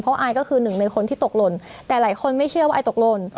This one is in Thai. อายก็คือหนึ่งในคนที่ตกหล่นแต่หลายคนไม่เชื่อว่าไอตกหล่น